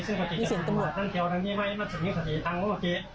ซึ่งปฏิเสธตำรวจตั้งแถวดังนี้ไว้มัสมิงสติทางโฮกิ